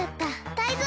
タイゾウ！